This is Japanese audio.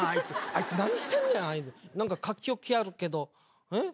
あいつ何してんねん⁉何か書き置きあるけどえっ？